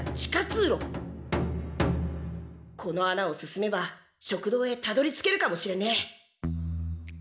このあなを進めば食堂へたどりつけるかもしれねえ。